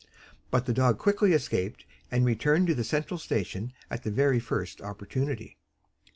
But the dog quickly escaped and returned to the central station on the very first opportunity.